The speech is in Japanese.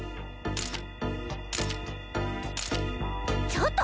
ちょっと！